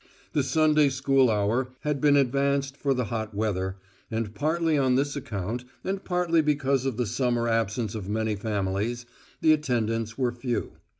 The Sunday school hour had been advanced for the hot weather, and, partly on this account, and partly because of the summer absence of many families, the attendants were few.